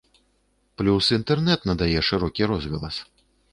Плюс інтэрнэт надае шырокі розгалас.